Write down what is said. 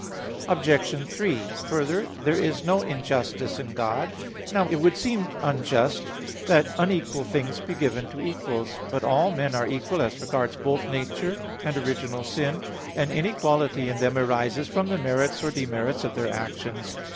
Obj. 3: Further, "There is no injustice in God" (Rom. 9:14). Now it would seem unjust that unequal things be given to equals. But all men are equal as regards both nature and original sin; and inequality in them arises from the merits or demerits of their actions.